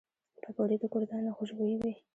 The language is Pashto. پکورې د کور دننه خوشبويي وي